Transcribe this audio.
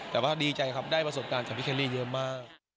แต่ว่าดีใจครับได้ประสบการณ์จากพี่เคลลี่เยอะมาก